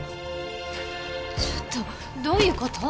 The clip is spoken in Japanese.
ちょっとどういう事！？